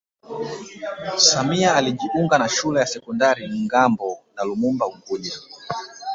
Samia alijiunga na shule ya sekondari Ngambo na Lumumba unguja